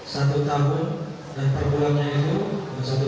satu tahun dan perbulannya itu rp satu juta